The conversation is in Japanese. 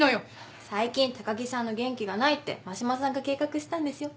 最近高木さんの元気がないって真島さんが計画したんですよ。